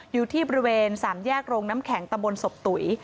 อยู่ที่บริเวณ๓แยกโรงน้ำแข็งตำบลสบตุ๋ย